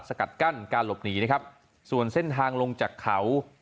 สกัดกั้นการหลบหนีนะครับส่วนเส้นทางลงจากเขา